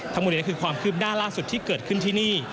ทั้งหมดนี้คือความคืบหน้าล่าสุดที่เกิดขึ้นที่นี่